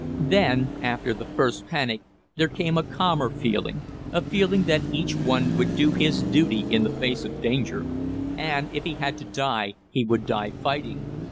Then, after the first panic, there came a calmer feeling a feeling that each one would do his duty in the face of danger and, if he had to die, he would die fighting.